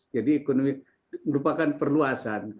jadi ekonomi merupakan perluasan